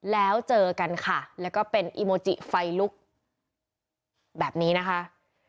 แล้วเจอกันค่ะแล้วก็เป็นอีโมจิไฟลุกแบบนี้นะคะ